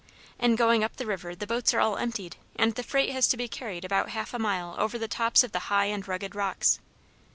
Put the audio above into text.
In going up the river the boats are all emptied, and the freight has to be carried about half a mile over the tops of the high and rugged rocks.